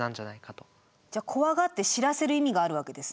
じゃあこわがって知らせる意味があるわけですね。